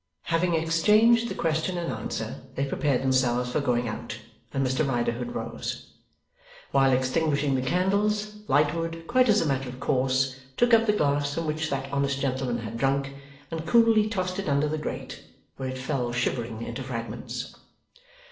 Having exchanged the question and answer, they prepared themselves for going out, and Mr Riderhood rose. While extinguishing the candles, Lightwood, quite as a matter of course took up the glass from which that honest gentleman had drunk, and coolly tossed it under the grate, where it fell shivering into fragments.